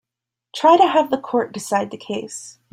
Try to have the court decide the case.